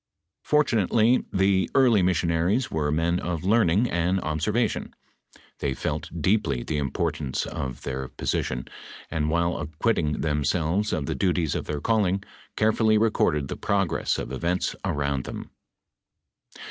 " Fortunately the early missionaries were men of learning and observation. They felt deeply the importance of their ]M>sition, and while acquitting themselves of the duties of their calling, carefully recorded the progress of events around them."